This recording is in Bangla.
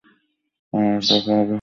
আগামীকাল দেখা হবে!